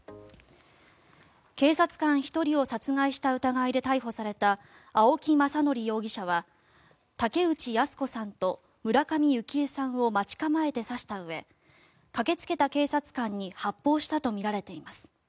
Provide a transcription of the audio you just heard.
警察官１人を殺害した疑いで逮捕された青木政憲容疑者は竹内靖子さんと村上幸枝さんを待ち構えて刺したうえ駆けつけた警察官に発砲したとみられています。